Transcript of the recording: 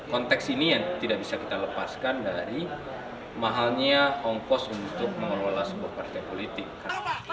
konteks ini yang tidak bisa kita lepaskan dari mahalnya ongkos untuk mengelola sebuah partai politik